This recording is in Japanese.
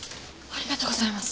ありがとうございます。